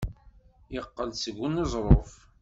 Yeqqel-d seg uneẓruf.